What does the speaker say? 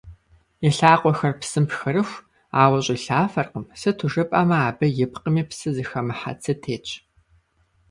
И лъакъуэхэр псым пхырыху, ауэ щӀилъафэркъым, сыту жыпӀэмэ, абы ипкъми, псы зыхэмыхьэ цы тетщ.